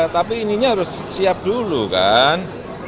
tapi ininya harus siap dulu kan